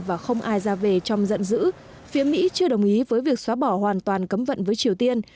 và không ai ra về trong giận dữ phía mỹ chưa đồng ý với việc xóa bỏ hoàn toàn cấm vận với triều tiên